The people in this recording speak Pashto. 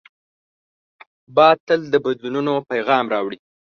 باد تل د بدلونو پیغام راوړي